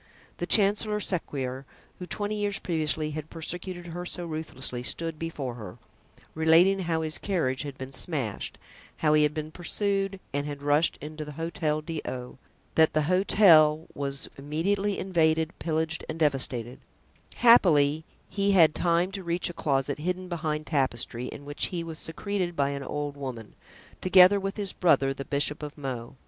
The Chancellor Sequier, who twenty years previously had persecuted her so ruthlessly, stood before her, relating how his carriage had been smashed, how he had been pursued and had rushed into the Hotel d'O——, that the hotel was immediately invaded, pillaged and devastated; happily he had time to reach a closet hidden behind tapestry, in which he was secreted by an old woman, together with his brother, the Bishop of Meaux.